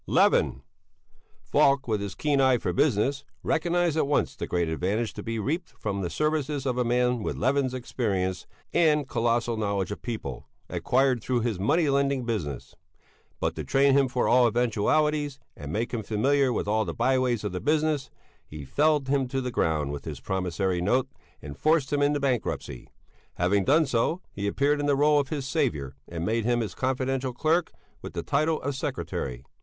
Levin. Falk, with his keen eye for business, recognized at once the great advantage to be reaped from the services of a man with Levin's experience and colossal knowledge of people, acquired through his money lending business. But to train him for all eventualities, and make him familiar with all the by ways of the business, he felled him to the ground with his promissory note, and forced him into bankruptcy. Having done so, he appeared in the rôle of his saviour and made him his confidential clerk with the title of secretary.